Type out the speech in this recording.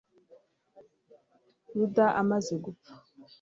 yuda amaze gupfa